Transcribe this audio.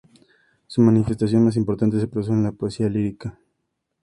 Su manifestación más importante se produjo en la poesía lírica.